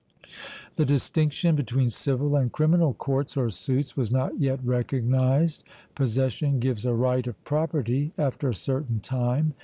The distinction between civil and criminal courts or suits was not yet recognized...Possession gives a right of property after a certain time...